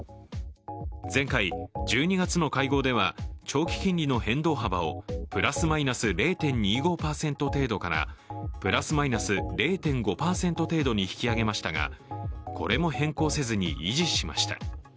前回、１２月の会合では長期金利の変動幅をプラスマイナス０．２５％程度からプラスマイナス０．５％程度に引き上げましたが、これも変更せずに維持しました。